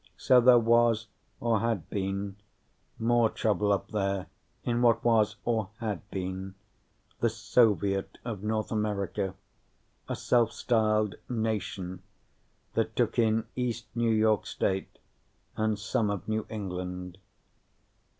So there was (or had been) more trouble up there in what was (or had been) the Soviet of North America, a self styled "nation" that took in east New York State and some of New England.